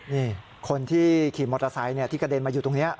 นี่คนที่ขี่มอเตอร์ไซค์ที่กระเด็นมาอยู่ตรงนี้